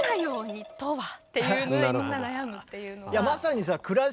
っていうのでみんな悩むっていうのは。